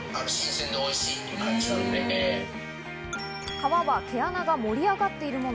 皮は毛穴が盛り上がっているもの。